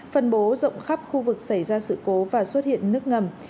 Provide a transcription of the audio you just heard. phân bố rộng khắp khu vực xảy ra sự cố và xuất hiện nước ngầm